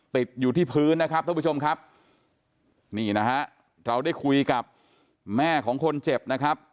ติดอยู่ที่พื้นนะครับท่านผู้ชมครับนี่นะฮะเราได้คุยกับแม่ของคนเจ็บนะครับ